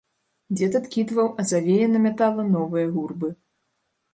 Дзед адкідваў, а завея намятала новыя гурбы.